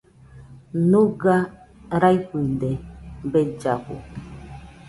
Nɨga raifide bellafu.